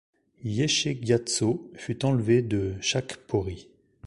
Yeshe Gyatso fut enlevé de Chakpori.